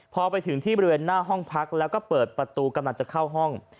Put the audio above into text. พอไปถึงที่บริเวณหน้าห้องพักแล้วก็เปิดประตูกำลังจะเข้าห้อง